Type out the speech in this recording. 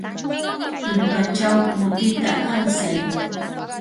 Tullpachaw mutita alsay.